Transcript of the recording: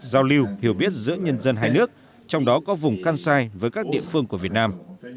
giao lưu hiểu biết giữa nhân dân hai nước trong đó có vùng kansai với các địa phương của việt nam